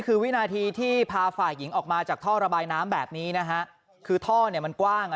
คือวินาทีที่พาฝ่ายหญิงออกมาจากท่อระบายน้ำแบบนี้นะฮะคือท่อเนี่ยมันกว้างอ่ะ